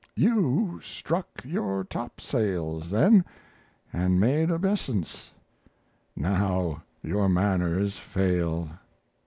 You struck your topsails then, and made Obeisance now your manners fail.